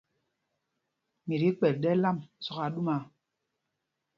Mi ti kpɛ̌l ɗɛ̄l ām Zɔk aa ɗúmaa.